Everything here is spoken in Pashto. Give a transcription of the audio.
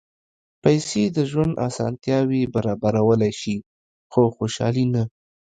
پېسې د ژوند اسانتیاوې برابرولی شي، خو خوشالي نه.